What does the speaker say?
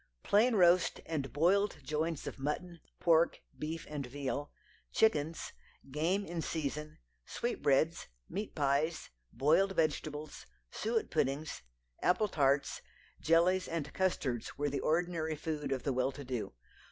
Plain roast and boiled joints of mutton, pork, beef and veal, chickens, game in season, sweetbreads, meat pies, boiled vegetables, suet puddings, apple tarts, jellies and custards were the ordinary food of the well to do.